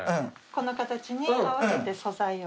この形に合わせて素材を。